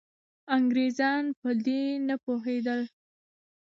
انګریزان په دې نه پوهېدل.